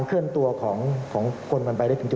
อืม